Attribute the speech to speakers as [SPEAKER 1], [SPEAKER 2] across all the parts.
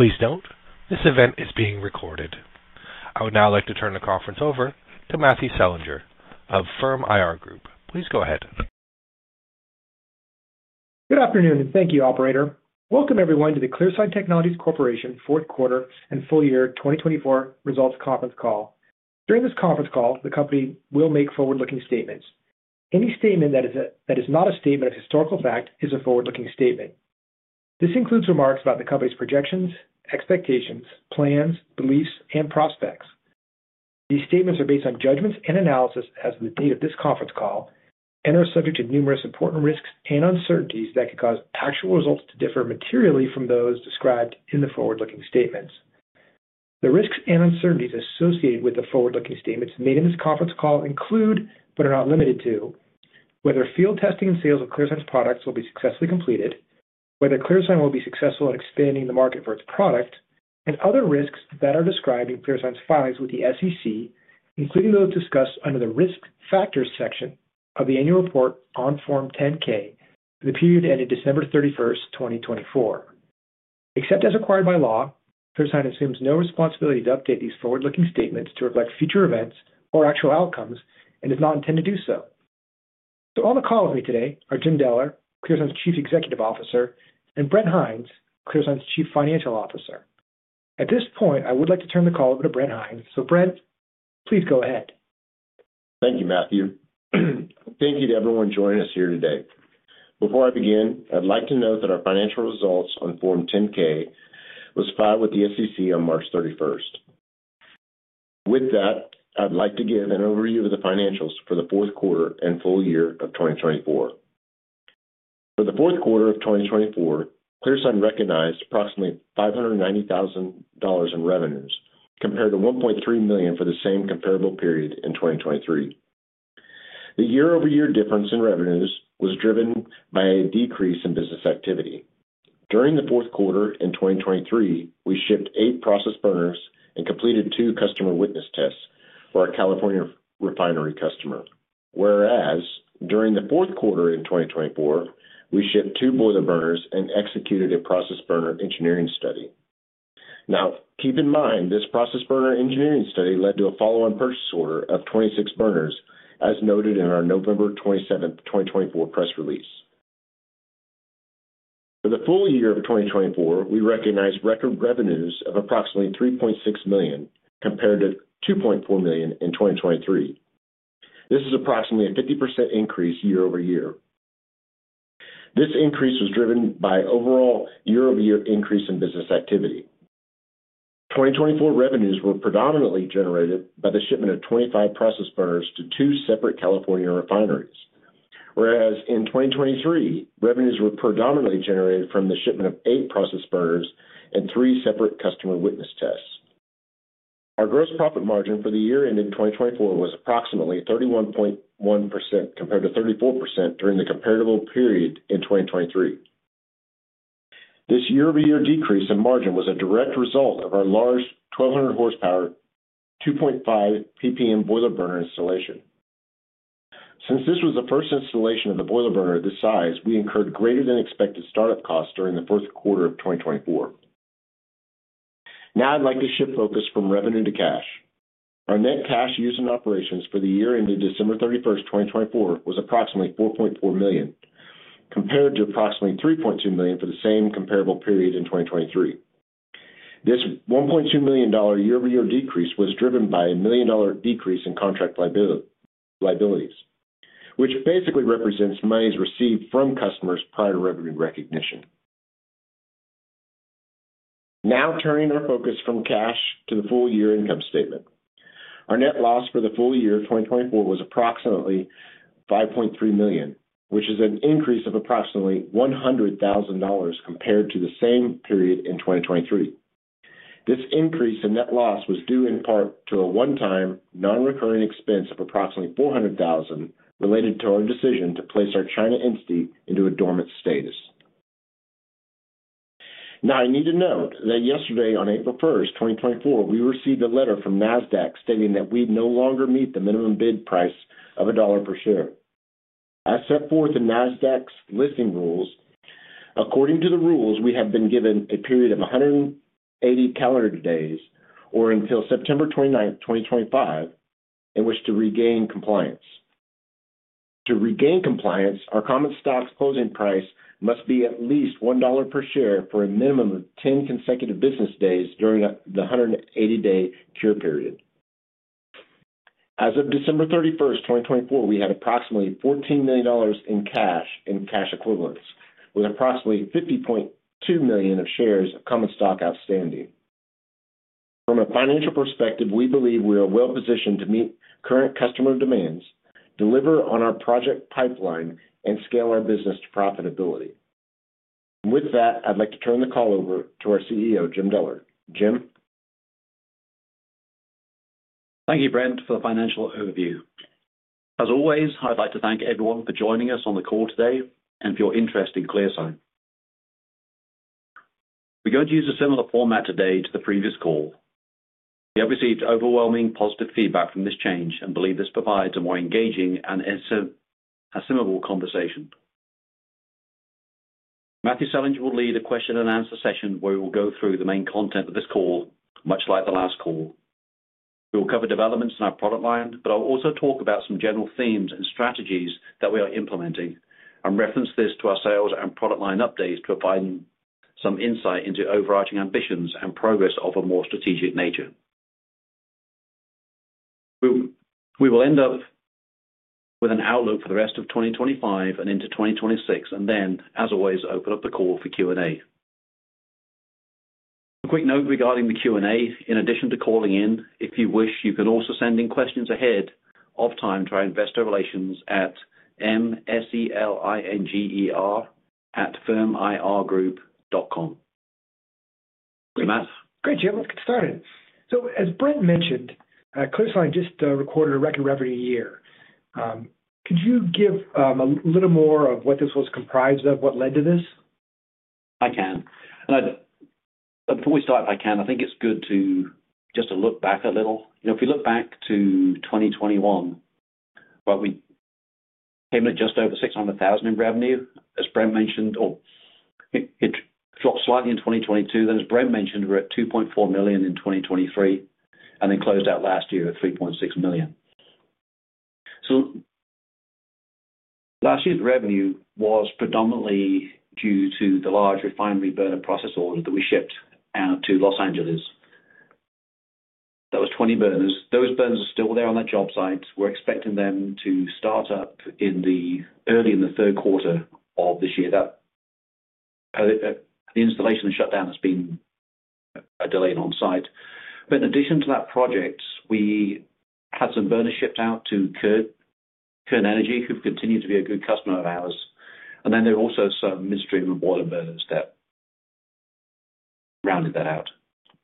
[SPEAKER 1] Please note, this event is being recorded. I would now like to turn the conference over to Matthew Selinger of Firm IR Group. Please go ahead.
[SPEAKER 2] Good afternoon, and thank you, Operator. Welcome, everyone, to the ClearSign Technologies Corporation Fourth Quarter and Full Year 2024 Results Conference Call. During this conference call, the company will make forward-looking statements. Any statement that is not a statement of historical fact is a forward-looking statement. This includes remarks about the company's projections, expectations, plans, beliefs, and prospects. These statements are based on judgments and analysis as of the date of this conference call and are subject to numerous important risks and uncertainties that could cause actual results to differ materially from those described in the forward-looking statements. The risks and uncertainties associated with the forward-looking statements made in this conference call include, but are not limited to, whether field testing and sales of ClearSign's products will be successfully completed, whether ClearSign will be successful in expanding the market for its product, and other risks that are described in ClearSign's filings with the SEC, including those discussed under the risk factors section of the annual report on Form 10-K for the period ending December 31st, 2024. Except as required by law, ClearSign assumes no responsibility to update these forward-looking statements to reflect future events or actual outcomes and does not intend to do so. On the call with me today are Jim Deller, ClearSign's Chief Executive Officer, and Brent Hinds, ClearSign's Chief Financial Officer. At this point, I would like to turn the call over to Brent Hinds. Brent, please go ahead.
[SPEAKER 3] Thank you, Matthew. Thank you to everyone joining us here today. Before I begin, I'd like to note that our financial results on Form 10-K was filed with the SEC on March 31st. With that, I'd like to give an overview of the financials for the fourth quarter and full year of 2024. For the fourth quarter of 2024, ClearSign recognized approximately $590,000 in revenues compared to $1.3 million for the same comparable period in 2023. The year-over-year difference in revenues was driven by a decrease in business activity. During the fourth quarter in 2023, we shipped eight process burners and completed two customer witness tests for our California refinery customer, whereas during the fourth quarter in 2024, we shipped two boiler burners and executed a process burner engineering study. Now, keep in mind this process burner engineering study led to a follow-on purchase order of 26 burners, as noted in our November 27th, 2024 press release. For the full year of 2024, we recognized record revenues of approximately $3.6 million compared to $2.4 million in 2023. This is approximately a 50% increase year over year. This increase was driven by overall year-over-year increase in business activity. 2024 revenues were predominantly generated by the shipment of 25 process burners to two separate California refineries, whereas in 2023, revenues were predominantly generated from the shipment of eight process burners and three separate customer witness tests. Our gross profit margin for the year-ending 2024 was approximately 31.1% compared to 34% during the comparable period in 2023. This year-over-year decrease in margin was a direct result of our large 1,200-horsepower, 2.5 PPM boiler burner installation. Since this was the first installation of a boiler burner of this size, we incurred greater-than-expected startup costs during the fourth quarter of 2024. Now, I'd like to shift focus from revenue to cash. Our net cash use in operations for the year ending December 31, 2024, was approximately $4.4 million compared to approximately $3.2 million for the same comparable period in 2023. This $1.2 million year-over-year decrease was driven by a million-dollar decrease in contract liabilities, which basically represents monies received from customers prior to revenue recognition. Now, turning our focus from cash to the full-year income statement, our net loss for the full year of 2024 was approximately $5.3 million, which is an increase of approximately $100,000 compared to the same period in 2023. This increase in net loss was due in part to a one-time non-recurring expense of approximately $400,000 related to our decision to place our China entity into a dormant status. Now, I need to note that yesterday, on April 1st, 2024, we received a letter from NASDAQ stating that we no longer meet the minimum bid price of $1 per share. As set forth in NASDAQ's listing rules, according to the rules, we have been given a period of 180 calendar days or until September 29, 2025, in which to regain compliance. To regain compliance, our common stock's closing price must be at least $1 per share for a minimum of 10 consecutive business days during the 180-day cure period. As of December 31st, 2024, we had approximately $14 million in cash and cash equivalents, with approximately 50.2 million shares of common stock outstanding. From a financial perspective, we believe we are well-positioned to meet current customer demands, deliver on our project pipeline, and scale our business to profitability. With that, I'd like to turn the call over to our CEO, Jim Deller. Jim.
[SPEAKER 4] Thank you, Brent, for the financial overview. As always, I'd like to thank everyone for joining us on the call today and for your interest in ClearSign. We're going to use a similar format today to the previous call. We have received overwhelming positive feedback from this change and believe this provides a more engaging and assimilable conversation. Matthew Selinger will lead a question-and-answer session where we will go through the main content of this call, much like the last call. We will cover developments in our product line, but I'll also talk about some general themes and strategies that we are implementing and reference this to our sales and product line updates to provide some insight into overarching ambitions and progress of a more strategic nature. We will end up with an outlook for the rest of 2025 and into 2026, and then, as always, open up the call for Q&A. A quick note regarding the Q&A: in addition to calling in, if you wish, you can also send in questions ahead of time to our investor relations at mselinger@firmirgroup.com. So, Matthew.
[SPEAKER 2] Great. Jim. Let's get started. As Brent mentioned, ClearSign just recorded a record revenue year. Could you give a little more of what this was comprised of, what led to this?
[SPEAKER 4] I can. Before we start, if I can, I think it's good to just look back a little. If we look back to 2021, well, we came in at just over $600,000 in revenue, as Brent mentioned, or it dropped slightly in 2022. Then, as Brent mentioned, we're at $2.4 million in 2023 and then closed out last year at $3.6 million. Last year's revenue was predominantly due to the large refinery burner process order that we shipped out to Los Angeles. That was 20 burners. Those burners are still there on the job sites. We're expecting them to start up early in the third quarter of this year. The installation and shutdown has been a delay on site. In addition to that project, we had some burners shipped out to Kern Energy, who've continued to be a good customer of ours. There were also some midstream boiler burners that rounded that out.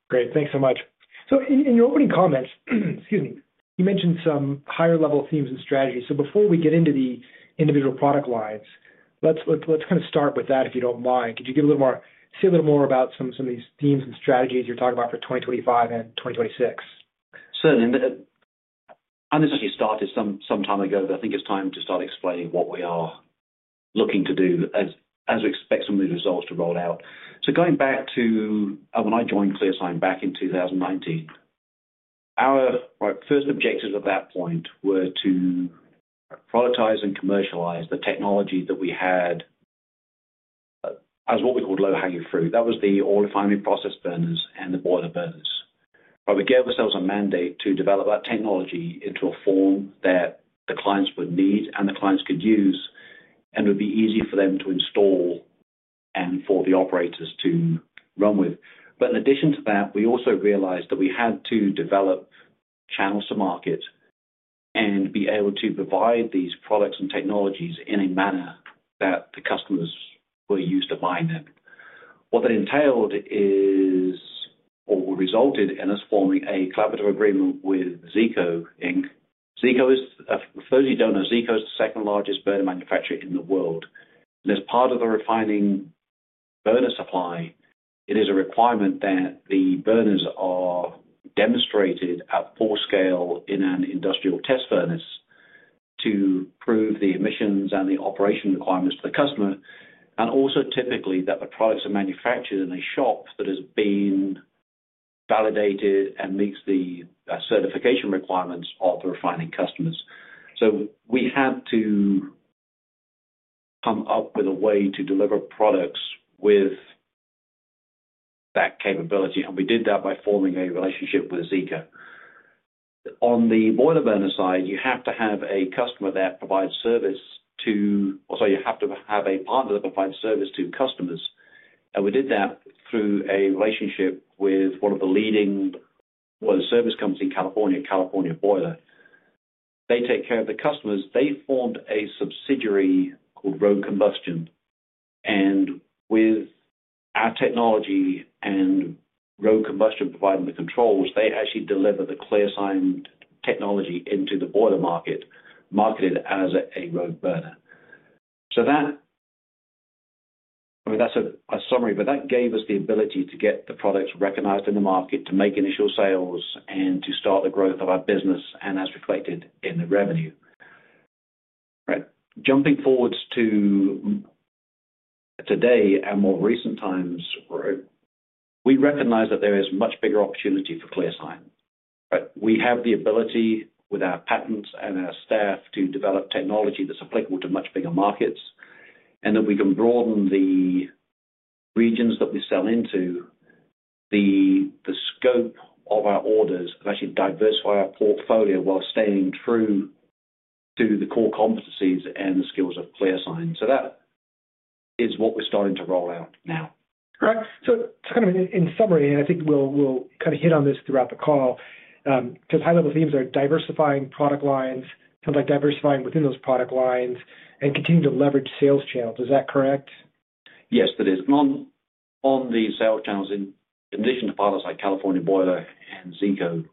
[SPEAKER 2] Great. Thanks so much. In your opening comments—excuse me—you mentioned some higher-level themes and strategies. Before we get into the individual product lines, let's kind of start with that, if you don't mind. Could you say a little more about some of these themes and strategies you're talking about for 2025 and 2026?
[SPEAKER 4] Certainly. I know this actually started some time ago, but I think it's time to start explaining what we are looking to do as we expect some of these results to roll out. Going back to when I joined ClearSign back in 2019, our first objectives at that point were to prioritize and commercialize the technology that we had as what we called low-hanging fruit. That was the oil refining process burners and the boiler burners. We gave ourselves a mandate to develop that technology into a form that the clients would need and the clients could use and would be easy for them to install and for the operators to run with. In addition to that, we also realized that we had to develop channels to market and be able to provide these products and technologies in a manner that the customers were used to buying them. What that entailed is, or resulted in, us forming a collaborative agreement with Zeeco. Zeeco is, for those of you who don't know, Zeeco is the second largest burner manufacturer in the world. As part of the refining burner supply, it is a requirement that the burners are demonstrated at full scale in an industrial test furnace to prove the emissions and the operation requirements for the customer, and also typically that the products are manufactured in a shop that has been validated and meets the certification requirements of the refining customers. We had to come up with a way to deliver products with that capability, and we did that by forming a relationship with Zeeco. On the boiler burner side, you have to have a customer that provides service to—or sorry, you have to have a partner that provides service to customers. We did that through a relationship with one of the leading boiler service companies in California, California Boiler. They take care of the customers. They formed a subsidiary called Rogue Combustion. With our technology and Rogue Combustion providing the controls, they actually deliver the ClearSign technology into the boiler market, marketed as a Rogue burner. I mean, that's a summary, but that gave us the ability to get the products recognized in the market, to make initial sales, and to start the growth of our business and, as reflected in the revenue. All right. Jumping forward to today and more recent times, we recognize that there is much bigger opportunity for ClearSign. We have the ability, with our patents and our staff, to develop technology that's applicable to much bigger markets, and that we can broaden the regions that we sell into, the scope of our orders, and actually diversify our portfolio while staying true to the core competencies and the skills of ClearSign. That is what we're starting to roll out now.
[SPEAKER 2] All right. Kind of in summary, and I think we'll kind of hit on this throughout the call, because high-level themes are diversifying product lines, kind of like diversifying within those product lines, and continuing to leverage sales channels. Is that correct?
[SPEAKER 4] Yes, that is. On the sales channels, in addition to partners like California Boiler and Zeeco,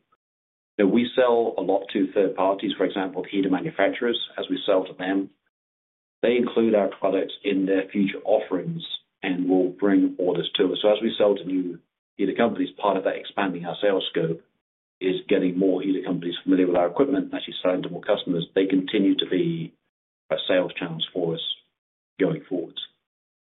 [SPEAKER 4] we sell a lot to third parties, for example, heater manufacturers, as we sell to them. They include our products in their future offerings and will bring orders to us. As we sell to new heater companies, part of that expanding our sales scope is getting more heater companies familiar with our equipment and actually selling to more customers. They continue to be a sales channel for us going forward.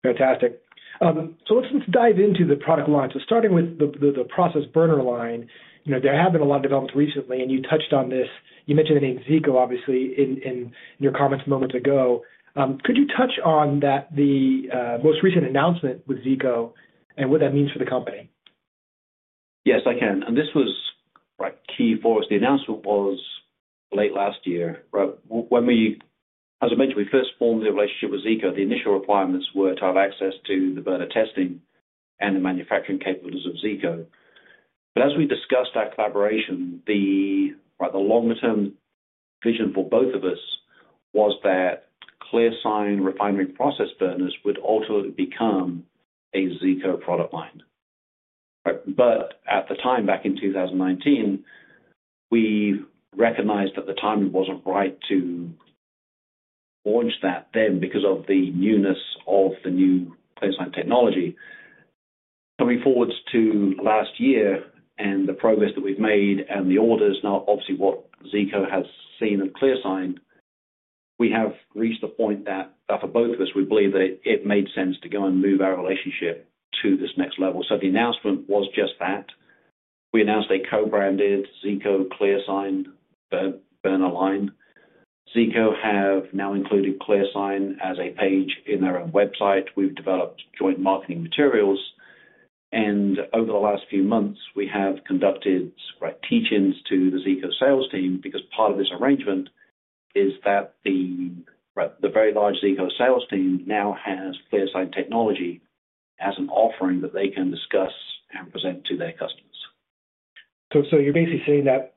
[SPEAKER 2] Fantastic. Let's dive into the product line. Starting with the process burner line, there have been a lot of developments recently, and you touched on this. You mentioned the name Zeeco, obviously, in your comments moments ago. Could you touch on the most recent announcement with Zeeco and what that means for the company?
[SPEAKER 4] Yes, I can. This was key for us. The announcement was late last year. As I mentioned, we first formed the relationship with Zeeco. The initial requirements were to have access to the burner testing and the manufacturing capabilities of Zeeco. As we discussed our collaboration, the long-term vision for both of us was that ClearSign refinery process burners would ultimately become a Zeeco product line. At the time, back in 2019, we recognized that the timing was not right to launch that then because of the newness of the new ClearSign technology. Coming forward to last year and the progress that we have made and the orders, now obviously what Zeeco has seen at ClearSign, we have reached the point that, for both of us, we believe that it made sense to go and move our relationship to this next level. The announcement was just that. We announced a co-branded Zeeco ClearSign burner line. Zeeco have now included ClearSign as a page in their own website. We've developed joint marketing materials. Over the last few months, we have conducted teach-ins to the Zeeco sales team because part of this arrangement is that the very large Zeeco sales team now has ClearSign technology as an offering that they can discuss and present to their customers.
[SPEAKER 2] You're basically saying that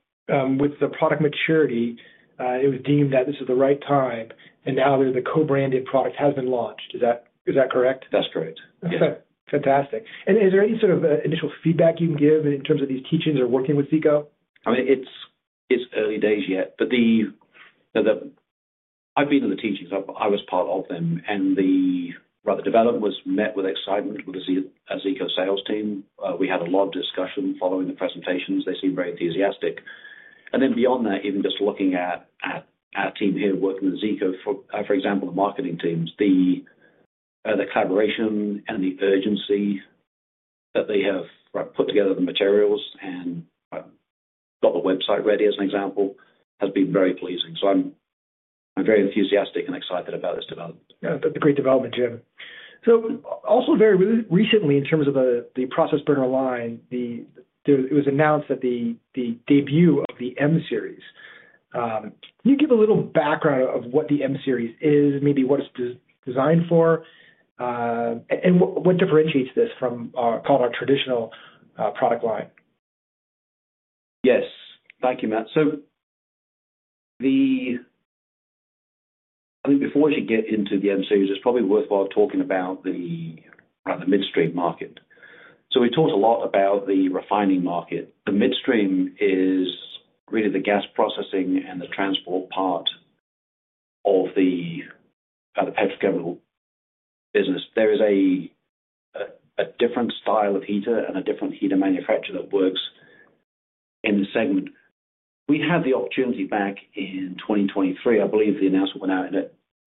[SPEAKER 2] with the product maturity, it was deemed that this is the right time, and now the co-branded product has been launched. Is that correct?
[SPEAKER 4] That's correct.
[SPEAKER 2] Fantastic. Is there any sort of initial feedback you can give in terms of these teach-ins or working with Zeeco?
[SPEAKER 4] I mean, it's early days yet, but I've been in the teachings. I was part of them. The development was met with excitement with the Zeeco sales team. We had a lot of discussion following the presentations. They seemed very enthusiastic. Even just looking at our team here working with Zeeco, for example, the marketing teams, the collaboration and the urgency that they have put together the materials and got the website ready, as an example, has been very pleasing. I am very enthusiastic and excited about this development.
[SPEAKER 2] Yeah. That's a great development, Jim. Also, very recently, in terms of the process burner line, it was announced that the debut of the M-Series. Can you give a little background of what the M-Series is, maybe what it's designed for, and what differentiates this from our traditional product line?
[SPEAKER 4] Yes. Thank you, Matthew. I think before we actually get into the M-Series, it's probably worthwhile talking about the midstream market. We talked a lot about the refining market. The midstream is really the gas processing and the transport part of the petrochemical business. There is a different style of heater and a different heater manufacturer that works in the segment. We had the opportunity back in 2023, I believe the announcement went out in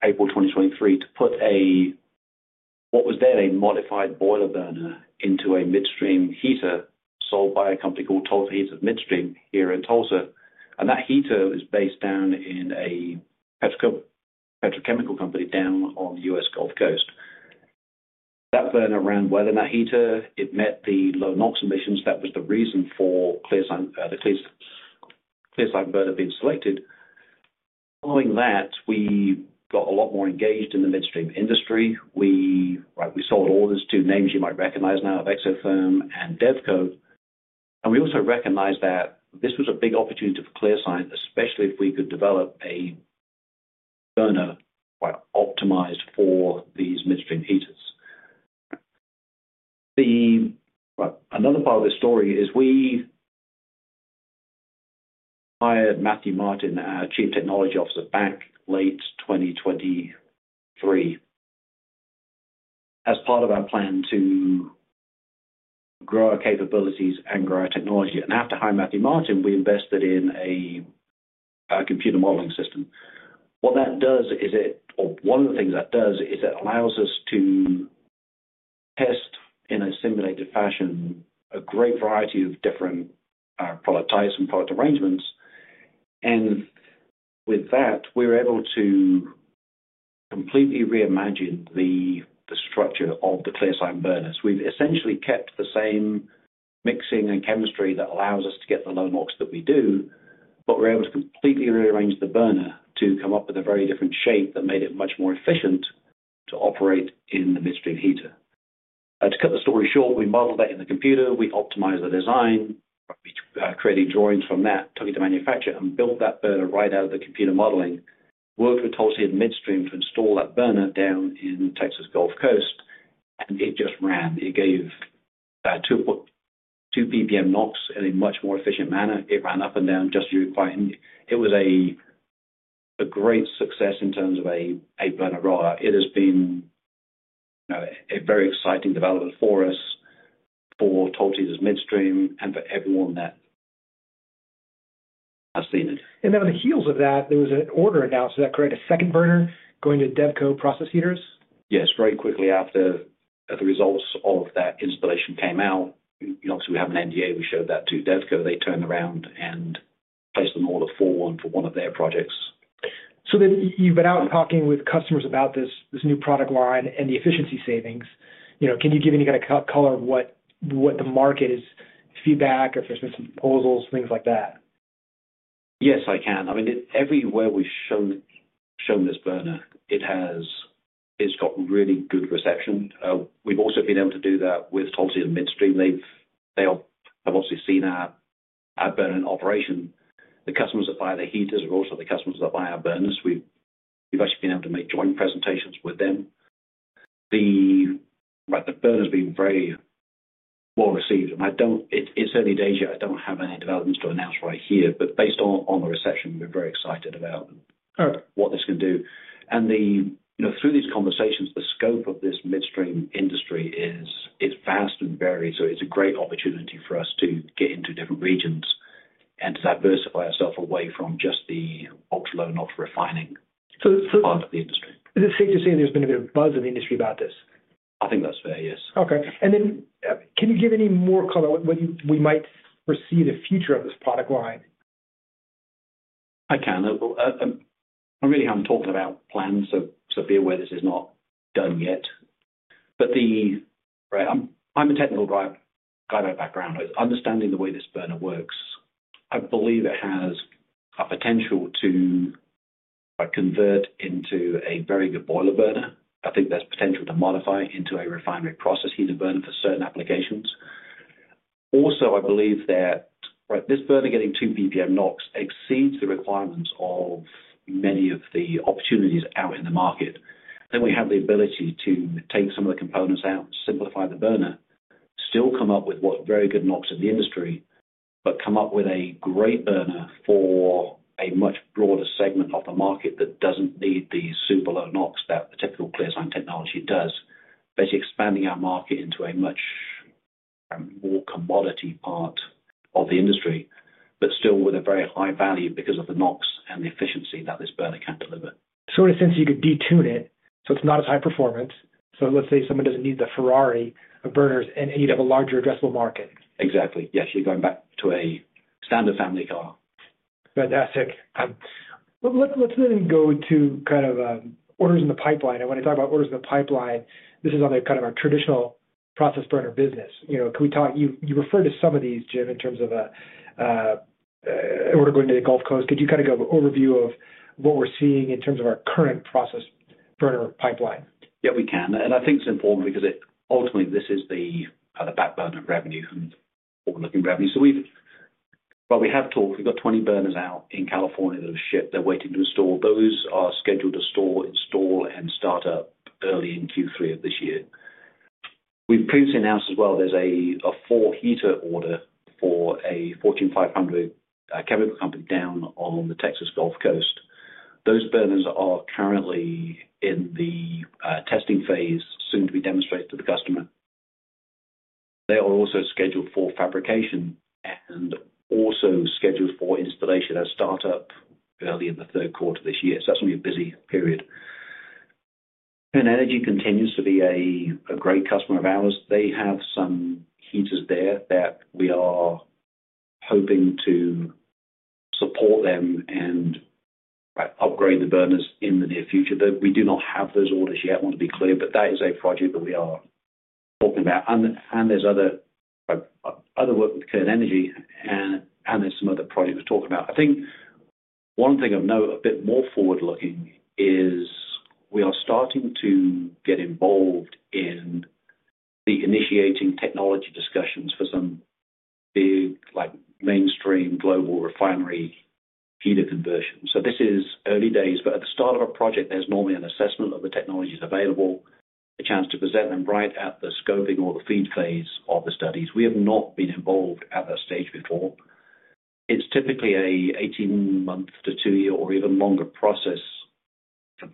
[SPEAKER 4] April 2023, to put what was then a modified boiler burner into a midstream heater sold by a company called Tulsa Heaters Midstream here in Tulsa. That heater is based down in a petrochemical company down on the US Gulf Coast. That burner ran well in that heater. It met the low NOx emissions. That was the reason for the ClearSign burner being selected. Following that, we got a lot more engaged in the midstream industry. We sold orders to names you might recognize now of Exotherm and Devco. We also recognized that this was a big opportunity for ClearSign, especially if we could develop a burner optimized for these midstream heaters. Another part of this story is we hired Matthew Martin, our Chief Technology Officer back late 2023, as part of our plan to grow our capabilities and grow our technology. After hiring Matthew Martin, we invested in a computer modeling system. What that does is, or one of the things that does is, it allows us to test in a simulated fashion a great variety of different product types and product arrangements. With that, we were able to completely reimagine the structure of the ClearSign burners. We've essentially kept the same mixing and chemistry that allows us to get the low NOx that we do, but we're able to completely rearrange the burner to come up with a very different shape that made it much more efficient to operate in the midstream heater. To cut the story short, we modeled that in the computer. We optimized the design, created drawings from that, took it to manufacture, and built that burner right out of the computer modeling, worked with Tulsa Heaters Midstream to install that burner down in Texas Gulf Coast, and it just ran. It gave 2 ppm NOx in a much more efficient manner. It ran up and down just as you require. It was a great success in terms of a burner rollout. It has been a very exciting development for us, for Tulsa Heaters Midstream, and for everyone that has seen it.
[SPEAKER 2] On the heels of that, there was an order announced. Did that create a second burner going to Devco process heaters?
[SPEAKER 4] Yes. Very quickly after the results of that installation came out, obviously, we have an NDA. We showed that to Devco. They turned around and placed an order for one for one of their projects.
[SPEAKER 2] Then you've been out talking with customers about this new product line and the efficiency savings. Can you give any kind of color of what the market is, feedback, or if there's been some proposals, things like that?
[SPEAKER 4] Yes, I can. I mean, everywhere we've shown this burner, it's got really good reception. We've also been able to do that with Tulsa Heaters Midstream. They have obviously seen our burner operation. The customers that buy the heaters are also the customers that buy our burners. We've actually been able to make joint presentations with them. The burner has been very well received. It's early days yet. I don't have any developments to announce right here, but based on the reception, we're very excited about what this can do. Through these conversations, the scope of this midstream industry is vast and varied. It's a great opportunity for us to get into different regions and to diversify ourselves away from just the ultra low NOx refining part of the industry.
[SPEAKER 2] It's safe to say there's been a bit of buzz in the industry about this.
[SPEAKER 4] I think that's fair, yes.
[SPEAKER 2] Okay. Can you give any more color on what we might foresee the future of this product line?
[SPEAKER 4] I can. I really haven't talked about plans, so be aware this is not done yet. But I'm a technical guy by background. Understanding the way this burner works, I believe it has a potential to convert into a very good boiler burner. I think there's potential to modify it into a refinery process heater burner for certain applications. Also, I believe that this burner getting 2 ppm NOx exceeds the requirements of many of the opportunities out in the market. We have the ability to take some of the components out, simplify the burner, still come up with what's very good NOx in the industry, but come up with a great burner for a much broader segment of the market that doesn't need the super low NOx that the typical ClearSign technology does, basically expanding our market into a much more commodity part of the industry, but still with a very high value because of the NOx and the efficiency that this burner can deliver.
[SPEAKER 2] Since you could detune it, so it's not as high performance. Let's say someone doesn't need the Ferrari of burners, and you'd have a larger addressable market.
[SPEAKER 4] Exactly. Yes. You're going back to a standard family car.
[SPEAKER 2] Fantastic. Let's then go to kind of orders in the pipeline. When I talk about orders in the pipeline, this is on kind of our traditional process burner business. You referred to some of these, Jim, in terms of order going to the Gulf Coast. Could you kind of give an overview of what we're seeing in terms of our current process burner pipeline?
[SPEAKER 4] Yeah, we can. I think it's important because ultimately, this is the backward-looking revenue and forward-looking revenue. We have talked. We've got 20 burners out in California that have shipped. They're waiting to install. Those are scheduled to install and start up early in Q3 of this year. We've previously announced as well there's a four-heater order for a Fortune 500 chemical company down on the Texas Gulf Coast. Those burners are currently in the testing phase, soon to be demonstrated to the customer. They are also scheduled for fabrication and also scheduled for installation and startup early in the third quarter this year. That's going to be a busy period. Kern Energy continues to be a great customer of ours. They have some heaters there that we are hoping to support them and upgrade the burners in the near future. We do not have those orders yet, I want to be clear, but that is a project that we are talking about. There is other work with Kern Energy, and there are some other projects we are talking about. I think one thing of note, a bit more forward-looking, is we are starting to get involved in the initiating technology discussions for some big mainstream global refinery heater conversion. This is early days, but at the start of a project, there is normally an assessment of the technologies available, a chance to present them right at the scoping or the FEED phase of the studies. We have not been involved at that stage before. It is typically an 18-month to 2-year or even longer process for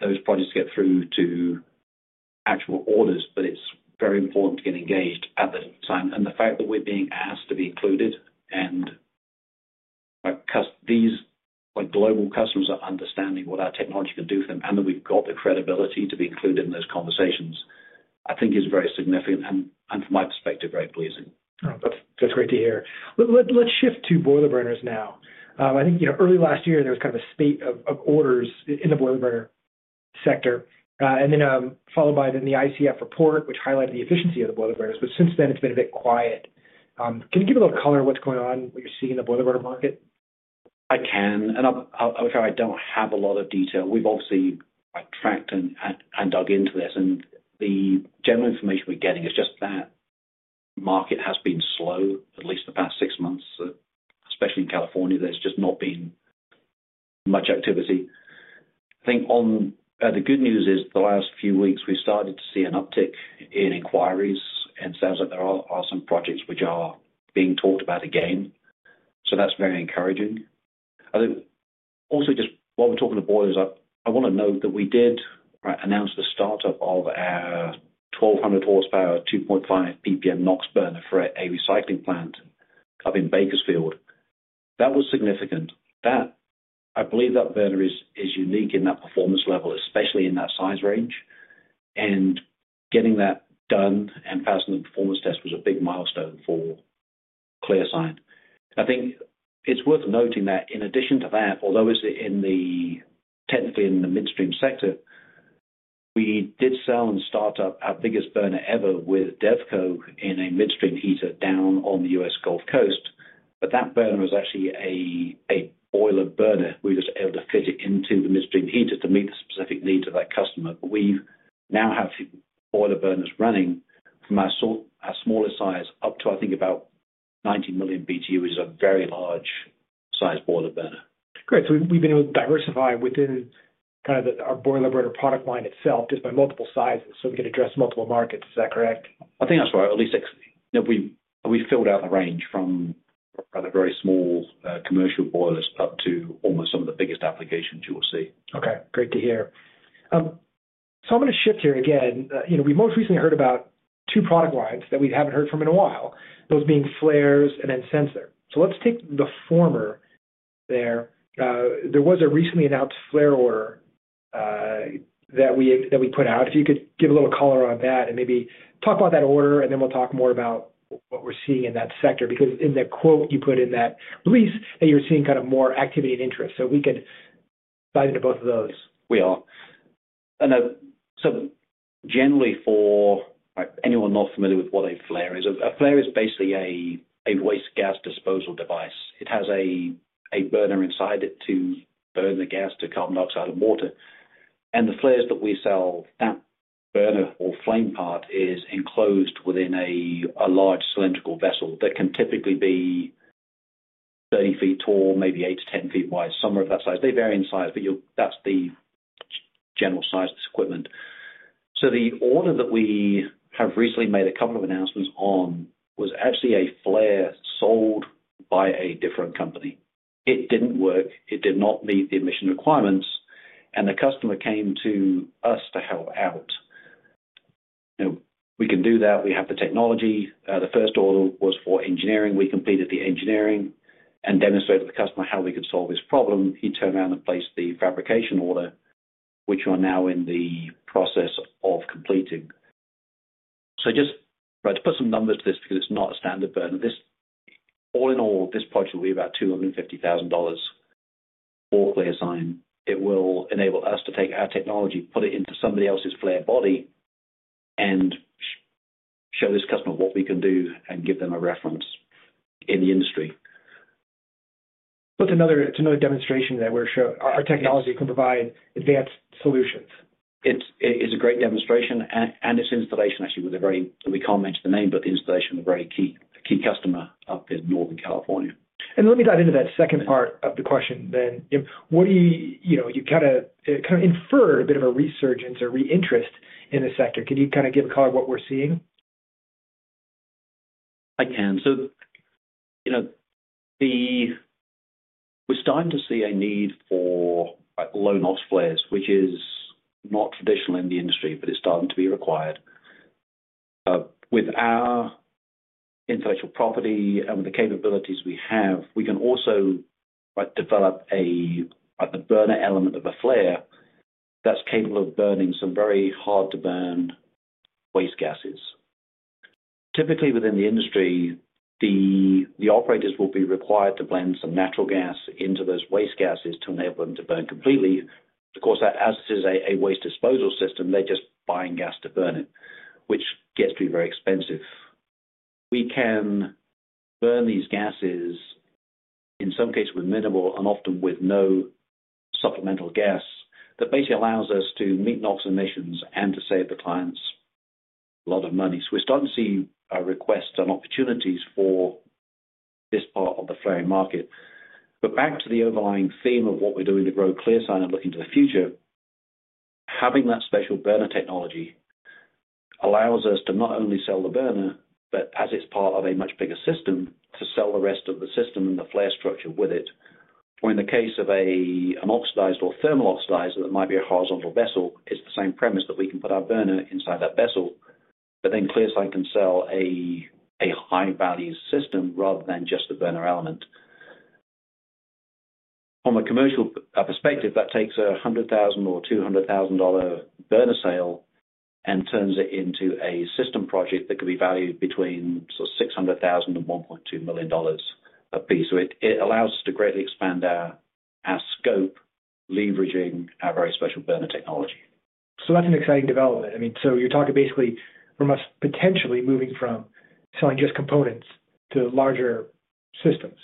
[SPEAKER 4] those projects to get through to actual orders, but it is very important to get engaged at that time. The fact that we're being asked to be included and these global customers are understanding what our technology can do for them and that we've got the credibility to be included in those conversations, I think is very significant and, from my perspective, very pleasing.
[SPEAKER 2] That's great to hear. Let's shift to boiler burners now. I think early last year, there was kind of a spate of orders in the boiler burner sector, followed by then the ICF report, which highlighted the efficiency of the boiler burners. Since then, it's been a bit quiet. Can you give a little color of what's going on, what you're seeing in the boiler burner market?
[SPEAKER 4] I can. I'll be fair, I don't have a lot of detail. We've obviously tracked and dug into this, and the general information we're getting is just that market has been slow, at least the past six months, especially in California. There's just not been much activity. I think the good news is the last few weeks, we've started to see an uptick in inquiries, and it sounds like there are some projects which are being talked about again. That is very encouraging. Also, just while we're talking about boilers, I want to note that we did announce the startup of our 1,200 horsepower, 2.5 ppm NOx burner for a recycling plant up in Bakersfield. That was significant. I believe that burner is unique in that performance level, especially in that size range. Getting that done and passing the performance test was a big milestone for ClearSign. I think it's worth noting that in addition to that, although it's technically in the midstream sector, we did sell and start up our biggest burner ever with Devco in a midstream heater down on the US Gulf Coast. That burner was actually a boiler burner. We were just able to fit it into the midstream heater to meet the specific needs of that customer. We now have boiler burners running from our smallest size up to, I think, about 90 million BTU, which is a very large-sized boiler burner.
[SPEAKER 2] Great. We've been able to diversify within kind of our boiler burner product line itself just by multiple sizes so we can address multiple markets. Is that correct?
[SPEAKER 4] I think that's right. At least we've filled out the range from rather very small commercial boilers up to almost some of the biggest applications you will see.
[SPEAKER 2] Great to hear. I'm going to shift here again. We most recently heard about two product lines that we haven't heard from in a while, those being flares and then sensor. Let's take the former there. There was a recently announced flare order that we put out. If you could give a little color on that and maybe talk about that order, and then we'll talk more about what we're seeing in that sector. Because in the quote you put in that release, you were seeing kind of more activity and interest. We could dive into both of those.
[SPEAKER 4] We are. Generally, for anyone not familiar with what a flare is, a flare is basically a waste gas disposal device. It has a burner inside it to burn the gas to carbon dioxide and water. The flares that we sell, that burner or flame part is enclosed within a large cylindrical vessel that can typically be 30 feet tall, maybe 8 to 10 feet wide, somewhere of that size. They vary in size, but that is the general size of this equipment. The order that we have recently made a couple of announcements on was actually a flare sold by a different company. It did not work. It did not meet the emission requirements, and the customer came to us to help out. We can do that. We have the technology. The first order was for engineering. We completed the engineering and demonstrated to the customer how we could solve this problem. He turned around and placed the fabrication order, which we are now in the process of completing. Just to put some numbers to this because it is not a standard burner, all in all, this project will be about $250,000 for ClearSign. It will enable us to take our technology, put it into somebody else's flare body, and show this customer what we can do and give them a reference in the industry.
[SPEAKER 2] That's another demonstration that our technology can provide advanced solutions.
[SPEAKER 4] It is a great demonstration, and its installation, actually, we can't mention the name, but the installation of a very key customer up in Northern California.
[SPEAKER 2] Let me dive into that second part of the question then. You kind of inferred a bit of a resurgence or re-interest in the sector. Can you kind of give a color of what we're seeing?
[SPEAKER 4] I can. We're starting to see a need for low NOx flares, which is not traditional in the industry, but it's starting to be required. With our intellectual property and with the capabilities we have, we can also develop the burner element of a flare that's capable of burning some very hard-to-burn waste gases. Typically, within the industry, the operators will be required to blend some natural gas into those waste gases to enable them to burn completely. Of course, as this is a waste disposal system, they're just buying gas to burn it, which gets to be very expensive. We can burn these gases, in some cases with minimal and often with no supplemental gas, that basically allows us to meet NOx emissions and to save the clients a lot of money. We're starting to see requests and opportunities for this part of the flaring market. Back to the overlying theme of what we're doing to grow ClearSign and looking to the future, having that special burner technology allows us to not only sell the burner, but as it's part of a much bigger system, to sell the rest of the system and the flare structure with it. In the case of an oxidizer or thermal oxidizer that might be a horizontal vessel, it's the same premise that we can put our burner inside that vessel, but then ClearSign can sell a high-value system rather than just the burner element. From a commercial perspective, that takes a $100,000 or $200,000 burner sale and turns it into a system project that could be valued between $600,000 and $1.2 million a piece. It allows us to greatly expand our scope, leveraging our very special burner technology.
[SPEAKER 2] That's an exciting development. I mean, so you're talking basically from us potentially moving from selling just components to larger systems.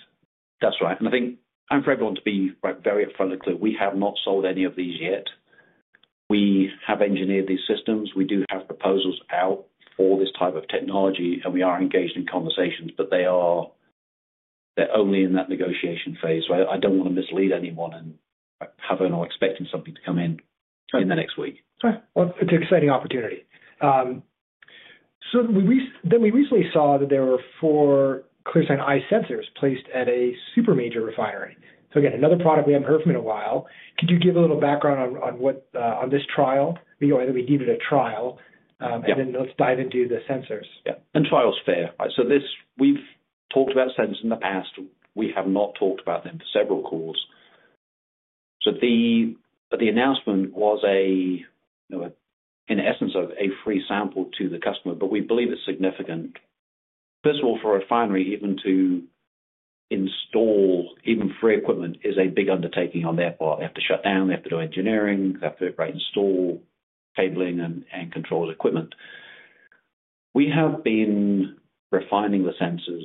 [SPEAKER 4] That's right. I think for everyone to be very upfront and clear, we have not sold any of these yet. We have engineered these systems. We do have proposals out for this type of technology, and we are engaged in conversations, but they are only in that negotiation phase. I do not want to mislead anyone and have anyone expecting something to come in in the next week.
[SPEAKER 2] Okay. It is an exciting opportunity. Then we recently saw that there were four ClearSign Eye sensors placed at a super major refinery. Again, another product we have not heard from in a while. Could you give a little background on this trial? I think we needed a trial, and then let's dive into the sensors.
[SPEAKER 4] Yeah. Trial's fair. We have talked about sensors in the past. We have not talked about them for several calls. The announcement was, in essence, a free sample to the customer, but we believe it is significant. First of all, for a refinery, even to install even free equipment is a big undertaking on their part. They have to shut down. They have to do engineering. They have to install cabling and control equipment. We have been refining the sensors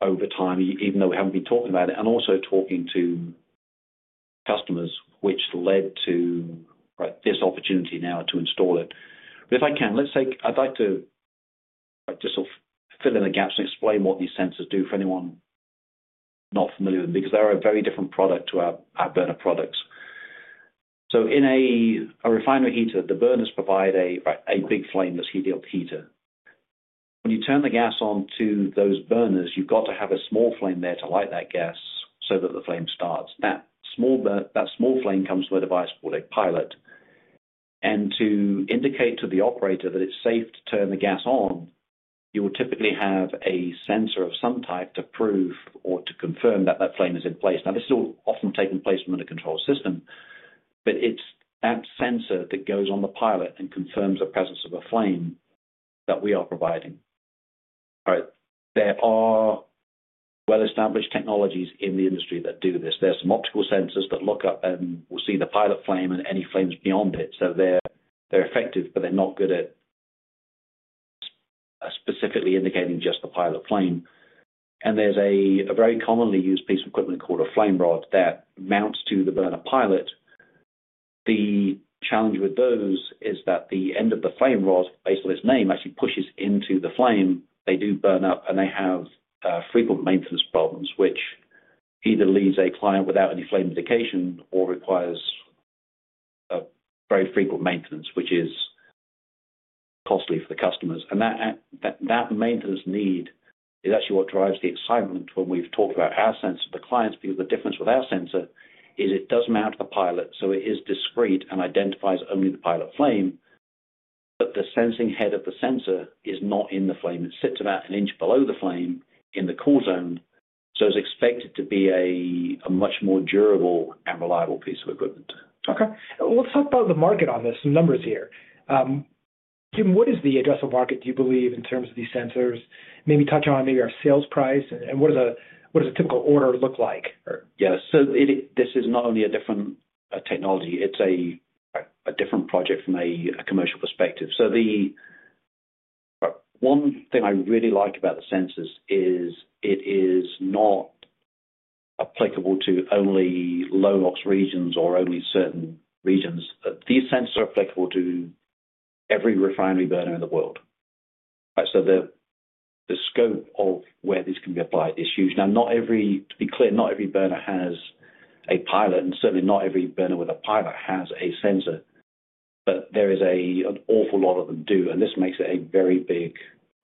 [SPEAKER 4] over time, even though we have not been talking about it, and also talking to customers, which led to this opportunity now to install it. If I can, I would like to just fill in the gaps and explain what these sensors do for anyone not familiar with them because they are a very different product to our burner products. In a refinery heater, the burners provide a big flameless heater. When you turn the gas on to those burners, you've got to have a small flame there to light that gas so that the flame starts. That small flame comes from a device called a pilot. To indicate to the operator that it's safe to turn the gas on, you will typically have a sensor of some type to prove or to confirm that that flame is in place. Now, this is all often taking place from a controlled system, but it's that sensor that goes on the pilot and confirms the presence of a flame that we are providing. There are well-established technologies in the industry that do this. There are some optical sensors that look up and will see the pilot flame and any flames beyond it. They're effective, but they're not good at specifically indicating just the pilot flame. There's a very commonly used piece of equipment called a flame rod that mounts to the burner pilot. The challenge with those is that the end of the flame rod, based on its name, actually pushes into the flame. They do burn up, and they have frequent maintenance problems, which either leaves a client without any flame indication or requires very frequent maintenance, which is costly for the customers. That maintenance need is actually what drives the excitement when we've talked about our sensor to clients because the difference with our sensor is it does mount to the pilot, so it is discreet and identifies only the pilot flame, but the sensing head of the sensor is not in the flame. It sits about an inch below the flame in the core zone. It's expected to be a much more durable and reliable piece of equipment.
[SPEAKER 2] Okay. Let's talk about the market on this, some numbers here. Jim, what is the addressable market, do you believe, in terms of these sensors? Maybe touch on maybe our sales price, and what does a typical order look like?
[SPEAKER 4] Yeah. This is not only a different technology. It's a different project from a commercial perspective. One thing I really like about the sensors is it is not applicable to only low NOx regions or only certain regions. These sensors are applicable to every refinery burner in the world. The scope of where this can be applied is huge. Now, to be clear, not every burner has a pilot, and certainly not every burner with a pilot has a sensor, but there is an awful lot of them do, and this makes it a very big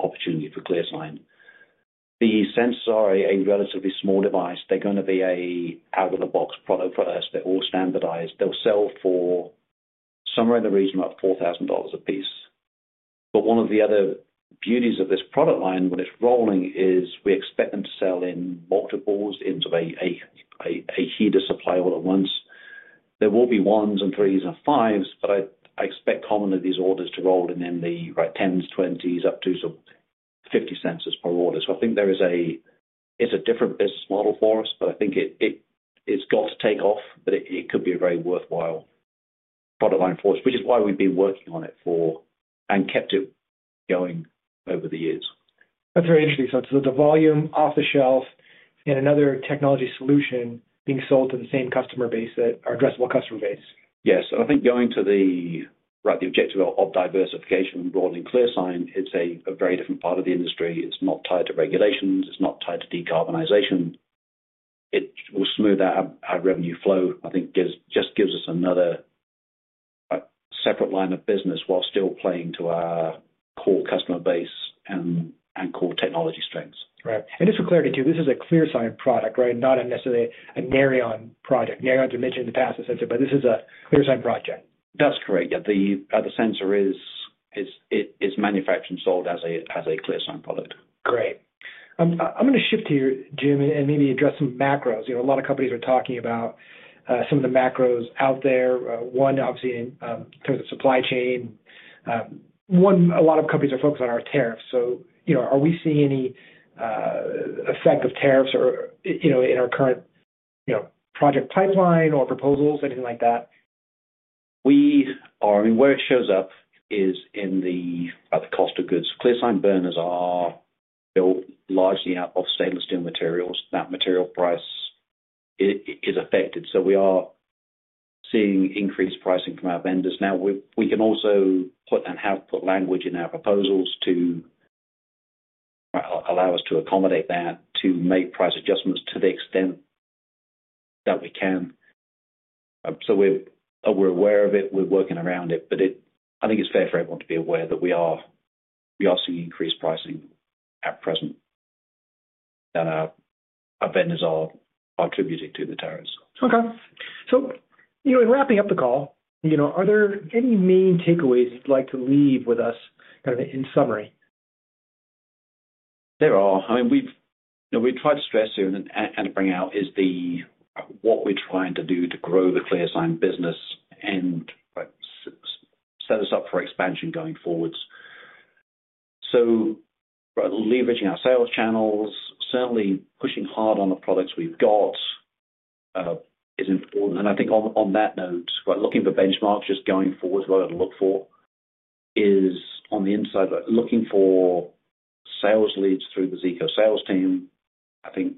[SPEAKER 4] opportunity for ClearSign. The sensors are a relatively small device. They're going to be an out-of-the-box product for us. They're all standardized. They'll sell for somewhere in the region of about $4,000 a piece. One of the other beauties of this product line when it's rolling is we expect them to sell in multiples into a heater supply all at once. There will be ones and threes and fives, but I expect commonly these orders to roll in the 10s, 20s, up to 50 sensors per order. I think it's a different business model for us, but I think it's got to take off, but it could be a very worthwhile product line for us, which is why we've been working on it for and kept it going over the years.
[SPEAKER 2] That's very interesting. The volume off the shelf and another technology solution being sold to the same customer base or addressable customer base.
[SPEAKER 4] Yes. I think going to the objective of diversification and broadening ClearSign, it's a very different part of the industry. It's not tied to regulations. It's not tied to decarbonization. It will smooth out our revenue flow. I think it just gives us another separate line of business while still playing to our core customer base and core technology strengths.
[SPEAKER 2] Right. And just for clarity too, this is a ClearSign product, right? Not necessarily a Narion project. Narion's been mentioned in the past, essentially, but this is a ClearSign project.
[SPEAKER 4] That's correct. Yeah. The sensor is manufactured and sold as a ClearSign product.
[SPEAKER 2] Great. I'm going to shift here, Jim, and maybe address some macros. A lot of companies are talking about some of the macros out there. One, obviously, in terms of supply chain. One, a lot of companies are focused on are tariffs. Are we seeing any effect of tariffs in our current project pipeline or proposals, anything like that?
[SPEAKER 4] Where it shows up is in the cost of goods. ClearSign burners are built largely out of stainless steel materials. That material price is affected. We are seeing increased pricing from our vendors. We can also put and have put language in our proposals to allow us to accommodate that, to make price adjustments to the extent that we can. We are aware of it. We are working around it, but I think it is fair for everyone to be aware that we are seeing increased pricing at present that our vendors are attributing to the tariffs.
[SPEAKER 2] Okay. In wrapping up the call, are there any main takeaways you'd like to leave with us kind of in summary?
[SPEAKER 4] There are. I mean, we've tried to stress here and to bring out is what we're trying to do to grow the ClearSign business and set us up for expansion going forwards. Leveraging our sales channels, certainly pushing hard on the products we've got is important. I think on that note, looking for benchmarks just going forward, what I'd look for is on the inside, looking for sales leads through the Zeeco sales team. I think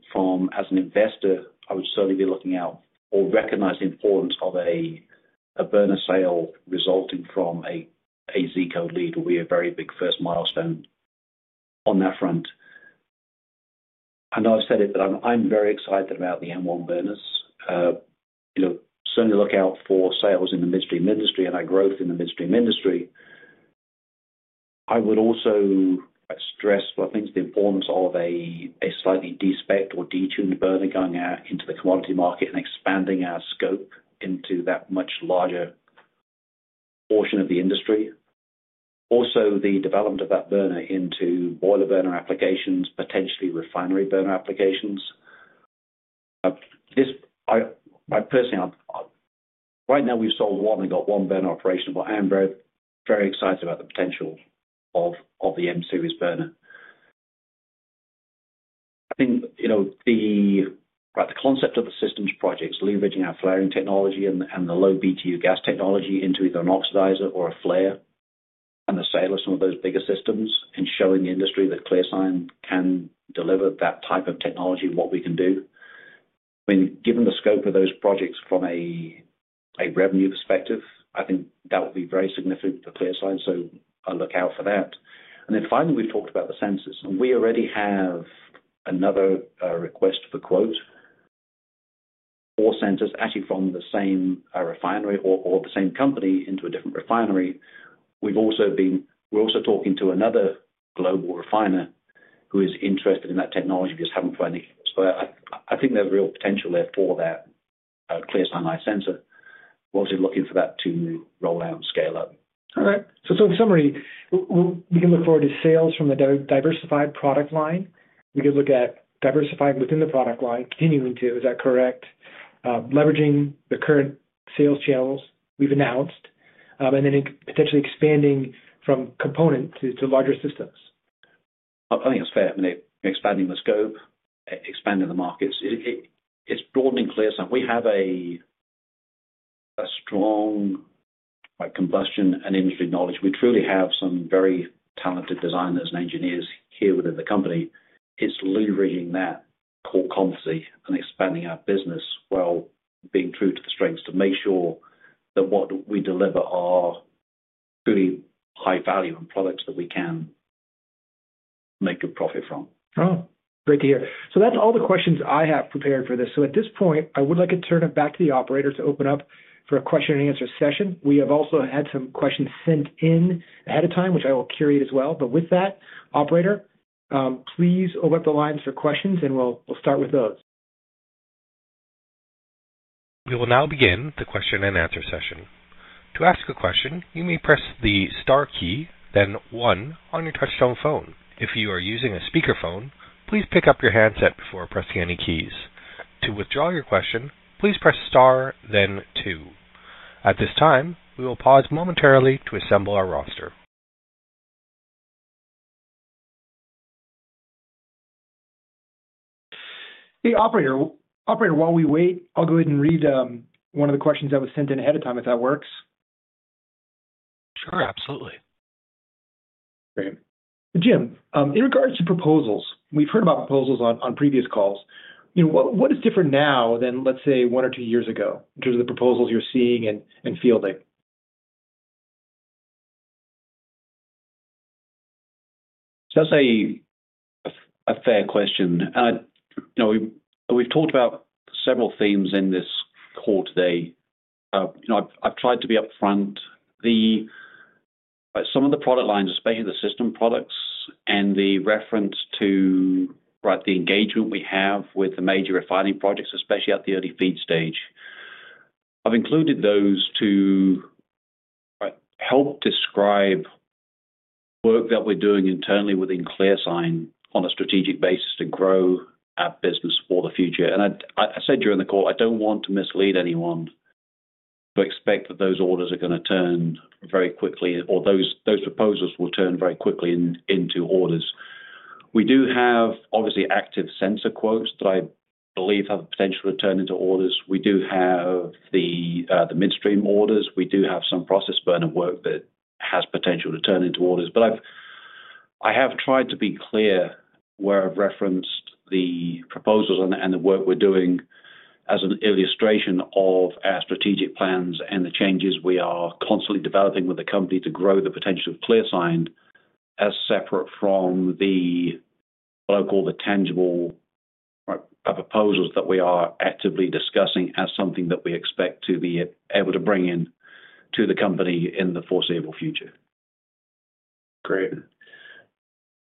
[SPEAKER 4] as an investor, I would certainly be looking out or recognize the importance of a burner sale resulting from a Zeeco lead. We're a very big first milestone on that front. I know I've said it, but I'm very excited about the M1 burners. Certainly look out for sales in the midstream industry and our growth in the midstream industry. I would also stress, I think it's the importance of a slightly de-specced or detuned burner going out into the commodity market and expanding our scope into that much larger portion of the industry. Also, the development of that burner into boiler burner applications, potentially refinery burner applications. Right now, we've sold one and got one burner operation, but I am very excited about the potential of the M-Series burner. I think the concept of the systems projects, leveraging our flaring technology and the low BTU gas technology into either an oxidizer or a flare and the sales of, some of those bigger systems, and showing the industry that ClearSign can deliver that type of technology, what we can do. I mean, given the scope of those projects from a revenue perspective, I think that would be very significant for ClearSign. I look out for that. We have talked about the sensors. We already have another request for quote for sensors, actually from the same refinery or the same company into a different refinery. We are also talking to another global refiner who is interested in that technology, just have not found any clue. I think there is real potential there for that ClearSign Eye sensor. We are also looking for that to roll out and scale up.
[SPEAKER 2] All right. In summary, we can look forward to sales from the diversified product line. We could look at diversifying within the product line, continuing to, is that correct? Leveraging the current sales channels we've announced, and then potentially expanding from component to larger systems.
[SPEAKER 4] I think that's fair. I mean, expanding the scope, expanding the markets. It's broadening ClearSign. We have a strong combustion and industry knowledge. We truly have some very talented designers and engineers here within the company. It's leveraging that core competency and expanding our business while being true to the strengths to make sure that what we deliver are truly high value and products that we can make good profit from.
[SPEAKER 2] Great to hear. That's all the questions I have prepared for this. At this point, I would like to turn it back to the operator to open up for a question and answer session. We have also had some questions sent in ahead of time, which I will curate as well. With that, operator, please open up the lines for questions, and we'll start with those.
[SPEAKER 1] We will now begin the question and answer session. To ask a question, you may press the star key, then one on your touch-tone phone. If you are using a speakerphone, please pick up your handset before pressing any keys. To withdraw your question, please press star, then two. At this time, we will pause momentarily to assemble our roster.
[SPEAKER 2] Hey, operator, while we wait, I'll go ahead and read one of the questions that was sent in ahead of time, if that works.
[SPEAKER 1] Sure, absolutely.
[SPEAKER 2] Great. Jim, in regards to proposals, we've heard about proposals on previous calls. What is different now than, let's say, one or two years ago in terms of the proposals you're seeing and fielding?
[SPEAKER 4] That's a fair question. We've talked about several themes in this call today. I've tried to be upfront. Some of the product lines, especially the system products, and the reference to the engagement we have with the major refining projects, especially at the early FEED stage, I've included those to help describe work that we're doing internally within ClearSign on a strategic basis to grow our business for the future. I said during the call, I don't want to mislead anyone to expect that those orders are going to turn very quickly or those proposals will turn very quickly into orders. We do have, obviously, active sensor quotes that I believe have the potential to turn into orders. We do have the midstream orders. We do have some process burner work that has potential to turn into orders. I have tried to be clear where I've referenced the proposals and the work we're doing as an illustration of our strategic plans and the changes we are constantly developing with the company to grow the potential of ClearSign as separate from what I call the tangible proposals that we are actively discussing as something that we expect to be able to bring into the company in the foreseeable future.
[SPEAKER 2] Great.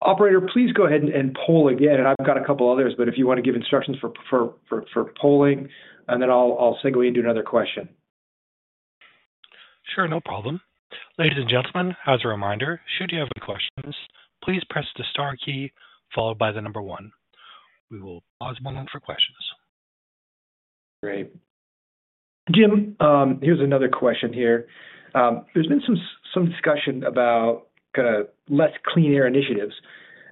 [SPEAKER 2] Operator, please go ahead and poll again. I have got a couple others, but if you want to give instructions for polling, I will segue into another question.
[SPEAKER 1] Sure, no problem. Ladies and gentlemen, as a reminder, should you have any questions, please press the star key followed by the number one. We will pause one moment for questions.
[SPEAKER 2] Great. Jim, here's another question here. There's been some discussion about kind of less clean air initiatives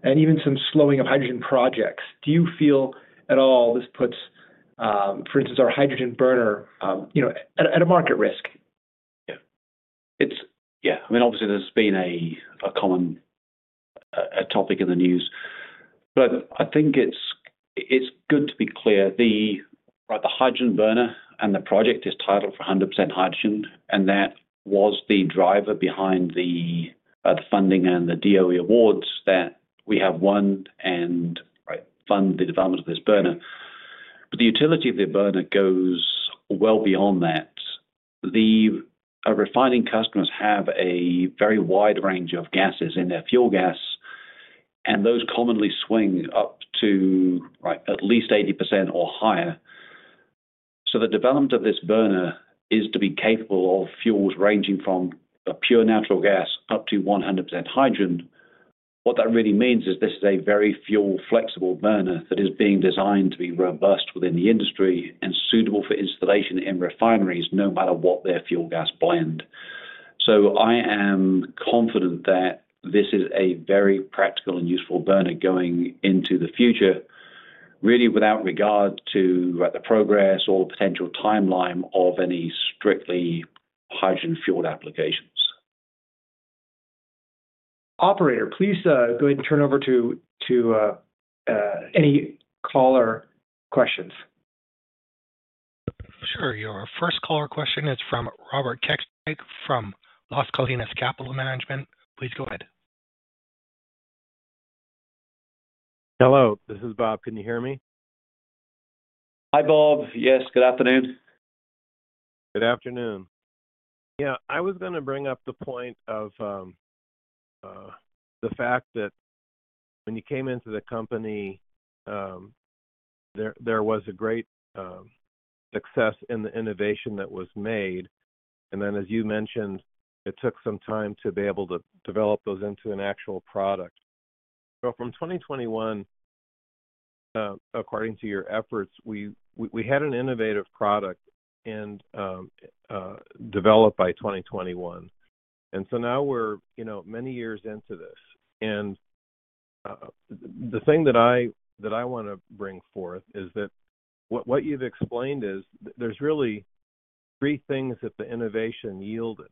[SPEAKER 2] and even some slowing of hydrogen projects. Do you feel at all this puts, for instance, our hydrogen burner at a market risk?
[SPEAKER 4] Yeah. I mean, obviously, there's been a common topic in the news, but I think it's good to be clear. The hydrogen burner and the project is titled for 100% hydrogen, and that was the driver behind the funding and the DOE awards that we have won and fund the development of this burner. The utility of the burner goes well beyond that. The refining customers have a very wide range of gases in their fuel gas, and those commonly swing up to at least 80% or higher. The development of this burner is to be capable of fuels ranging from pure natural gas up to 100% hydrogen. What that really means is this is a very fuel-flexible burner that is being designed to be robust within the industry and suitable for installation in refineries, no matter what their fuel gas blend. I am confident that this is a very practical and useful burner going into the future, really without regard to the progress or the potential timeline of any strictly hydrogen-fueled applications.
[SPEAKER 2] Operator, please go ahead and turn over to any caller questions.
[SPEAKER 1] Sure. Your first caller question is from Robert Kecskes from Las Colinas Capital Management. Please go ahead.
[SPEAKER 5] Hello. This is Robert. Can you hear me?
[SPEAKER 4] Hi, Robert. Yes. Good afternoon.
[SPEAKER 5] Good afternoon. Yeah. I was going to bring up the point of the fact that when you came into the company, there was a great success in the innovation that was made. As you mentioned, it took some time to be able to develop those into an actual product. From 2021, according to your efforts, we had an innovative product developed by 2021. Now we're many years into this. The thing that I want to bring forth is that what you've explained is there's really three things that the innovation yielded.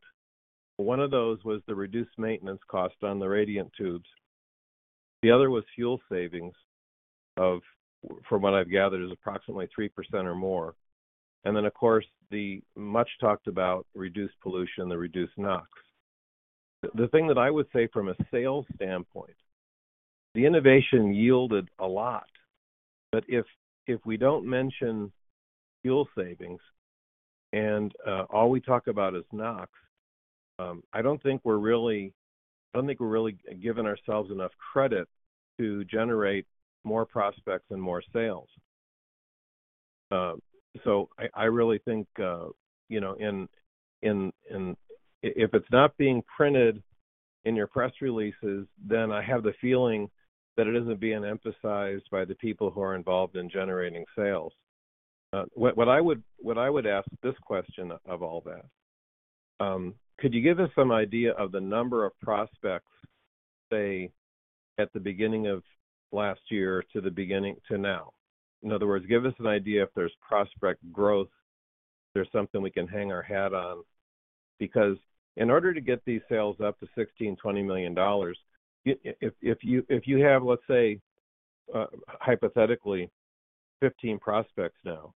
[SPEAKER 5] One of those was the reduced maintenance cost on the radiant tubes. The other was fuel savings, from what I've gathered, is approximately 3% or more. Of course, the much talked about reduced pollution, the reduced NOx. The thing that I would say from a sales standpoint, the innovation yielded a lot. If we do not mention fuel savings and all we talk about is NOx, I do not think we are really—I do not think we are really giving ourselves enough credit to generate more prospects and more sales. I really think if it is not being printed in your press releases, then I have the feeling that it is not being emphasized by the people who are involved in generating sales. What I would ask this question of all that, could you give us some idea of the number of prospects, say, at the beginning of last year to now? In other words, give us an idea if there is prospect growth, if there is something we can hang our hat on. Because in order to get these sales up to $16 million, $20 million, if you have, let's say, hypothetically, 15 prospects now,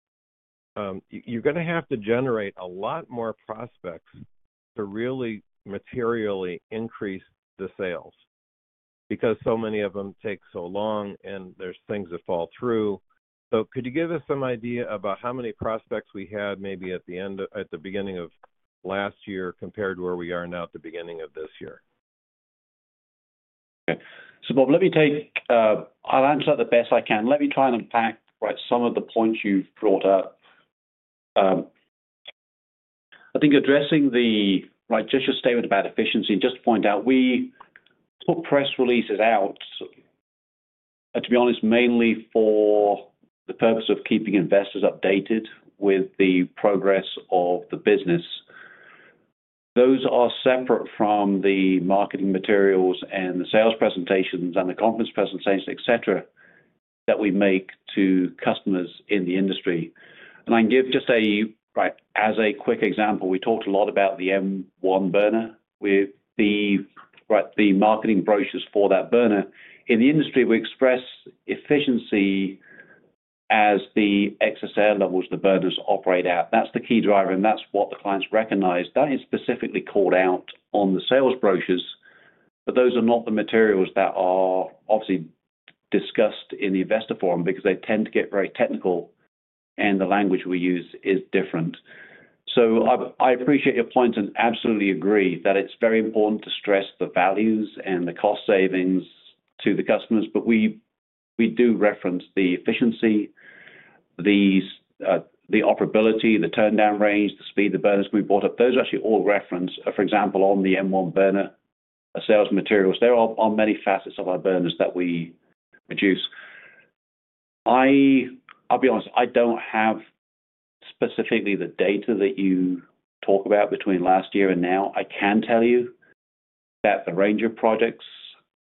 [SPEAKER 5] you're going to have to generate a lot more prospects to really materially increase the sales because so many of them take so long and there's things that fall through. Could you give us some idea about how many prospects we had maybe at the beginning of last year compared to where we are now at the beginning of this year?
[SPEAKER 4] Okay. Robert, let me take—I will answer that the best I can. Let me try and unpack some of the points you have brought up. I think addressing just your statement about efficiency and just point out we put press releases out, to be honest, mainly for the purpose of keeping investors updated with the progress of the business. Those are separate from the marketing materials and the sales presentations and the conference presentations, etc., that we make to customers in the industry. I can give just a—right, as a quick example, we talked a lot about the M1 burner, the marketing brochures for that burner. In the industry, we express efficiency as the excess air levels the burners operate at. That is the key driver, and that is what the clients recognize. That is specifically called out on the sales brochures, but those are not the materials that are obviously discussed in the investor forum because they tend to get very technical, and the language we use is different. I appreciate your points and absolutely agree that it's very important to stress the values and the cost savings to the customers, but we do reference the efficiency, the operability, the turndown range, the speed of the burners we brought up. Those are actually all referenced, for example, on the M1 burner sales materials. There are many facets of our burners that we produce. I'll be honest, I don't have specifically the data that you talk about between last year and now. I can tell you that the range of projects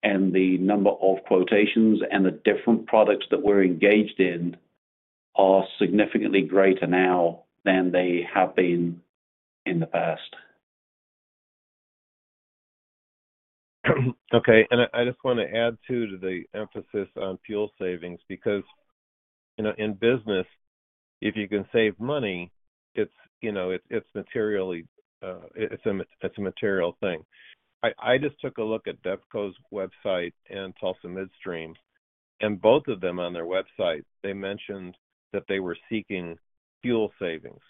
[SPEAKER 4] and the number of quotations and the different products that we're engaged in are significantly greater now than they have been in the past.
[SPEAKER 5] Okay. I just want to add too to the emphasis on fuel savings because in business, if you can save money, it's a material thing. I just took a look at Devco's website and Tulsa Heaters Midstream, and both of them on their website, they mentioned that they were seeking fuel savings.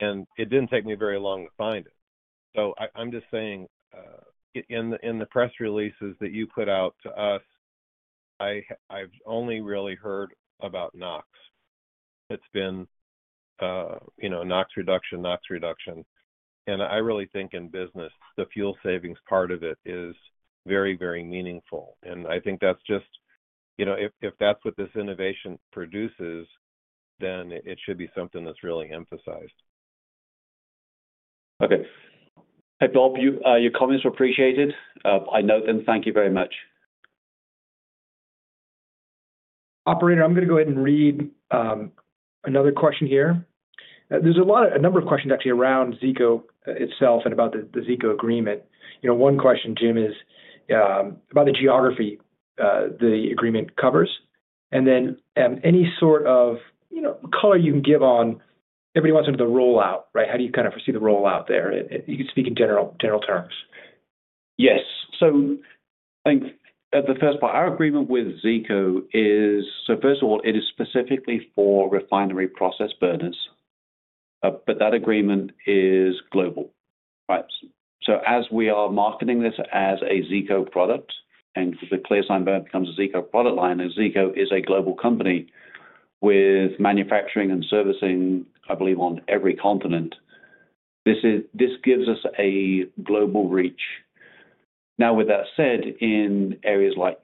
[SPEAKER 5] It didn't take me very long to find it. I'm just saying, in the press releases that you put out to us, I've only really heard about NOx. It's been NOx reduction, NOx reduction. I really think in business, the fuel savings part of it is very, very meaningful. I think that's just—if that's what this innovation produces, then it should be something that's really emphasized.
[SPEAKER 4] Okay. Hey, Robert, your comments were appreciated. I note them. Thank you very much.
[SPEAKER 2] Operator, I'm going to go ahead and read another question here. There's a number of questions actually around Zeeco itself and about the Zeeco agreement. One question, Jim, is about the geography the agreement covers. And then any sort of color you can give on everybody wants to know the rollout, right? How do you kind of foresee the rollout there? You can speak in general terms.
[SPEAKER 4] Yes. I think the first part, our agreement with Zeeco is, first of all, it is specifically for refinery process burners, but that agreement is global. As we are marketing this as a Zeeco product and the ClearSign burner becomes a Zeeco product line, and Zeeco is a global company with manufacturing and servicing, I believe, on every continent, this gives us a global reach. Now, with that said, in areas like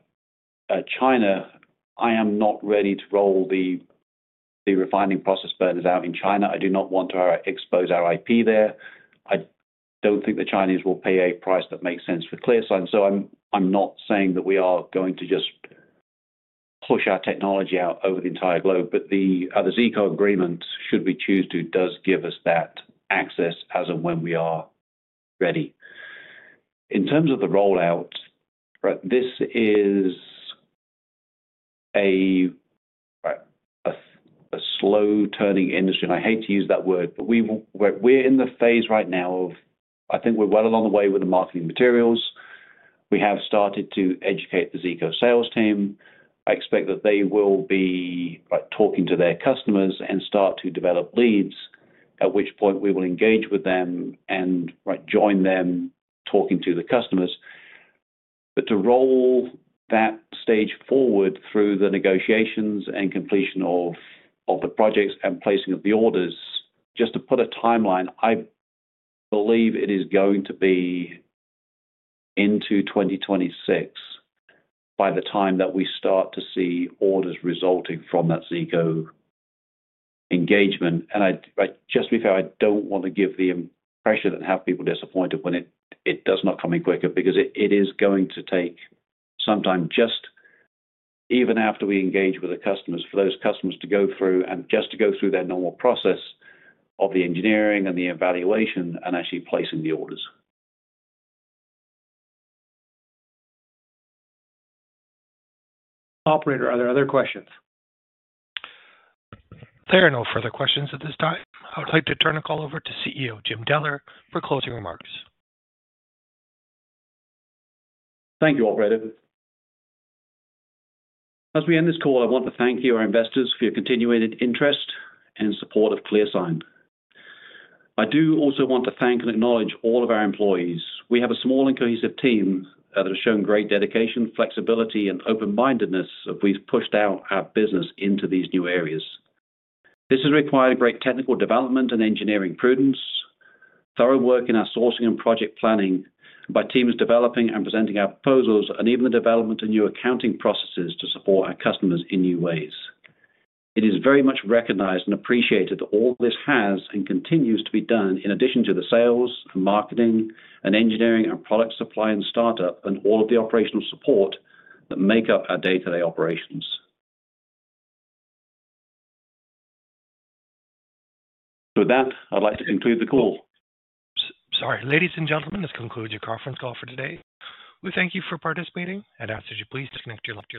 [SPEAKER 4] China, I am not ready to roll the refining process burners out in China. I do not want to expose our IP there. I do not think the Chinese will pay a price that makes sense for ClearSign. I am not saying that we are going to just push our technology out over the entire globe, but the Zeeco agreement, should we choose to, does give us that access as and when we are ready. In terms of the rollout, this is a slow turning industry, and I hate to use that word, but we're in the phase right now of I think we're well along the way with the marketing materials. We have started to educate the Zeeco sales team. I expect that they will be talking to their customers and start to develop leads, at which point we will engage with them and join them talking to the customers. To roll that stage forward through the negotiations and completion of the projects and placing of the orders, just to put a timeline, I believe it is going to be into 2026 by the time that we start to see orders resulting from that Zeeco engagement. Just to be fair, I don't want to give the impression and have people disappointed when it does not come in quicker because it is going to take some time just even after we engage with the customers for those customers to go through and just to go through their normal process of the engineering and the evaluation and actually placing the orders.
[SPEAKER 2] Operator, are there other questions?
[SPEAKER 1] There are no further questions at this time. I would like to turn the call over to CEO Jim Deller for closing remarks.
[SPEAKER 4] Thank you, Operator. As we end this call, I want to thank you, our investors, for your continued interest and support of ClearSign. I do also want to thank and acknowledge all of our employees. We have a small and cohesive team that has shown great dedication, flexibility, and open-mindedness as we've pushed out our business into these new areas. This has required great technical development and engineering prudence, thorough work in our sourcing and project planning by teams developing and presenting our proposals, and even the development of new accounting processes to support our customers in new ways. It is very much recognized and appreciated that all this has and continues to be done in addition to the sales, marketing, and engineering and product supply and startup and all of the operational support that make up our day-to-day operations. With that, I'd like to conclude the call.
[SPEAKER 1] Sorry. Ladies and gentlemen, this concludes your conference call for today. We thank you for participating. Please disconnect.